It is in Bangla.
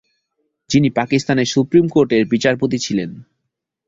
যিনি পাকিস্তানের সুপ্রিম কোর্টের বিচারপতি ছিলেন।